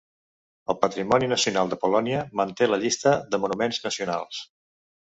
El Patrimoni Nacional de Polònia manté la llista de monuments nacionals.